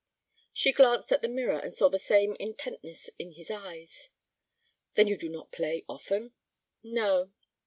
She glanced at the mirror and saw the same intentness in his eyes. "Then you do not play often?" "No."